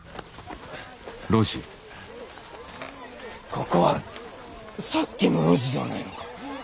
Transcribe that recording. ここはさっきの路地ではないのか。